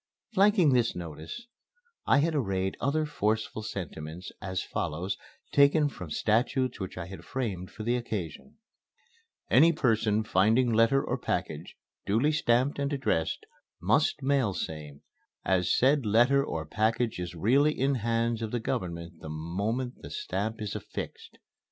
Flanking this notice, I had arrayed other forceful sentiments, as follows taken from statutes which I had framed for the occasion: "Any person finding letter or package duly stamped and addressed must mail same as said letter or package is really in hands of the Government the moment the stamp is affixed."